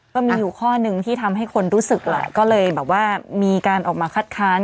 ก็มีอยู่ข้อหนึ่งที่ทำให้คนรู้สึกแหละก็เลยแบบว่ามีการออกมาคัดค้าน